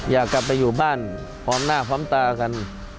อยากกลับไปอยู่บ้านพร้อมหน้าพร้อมตากัน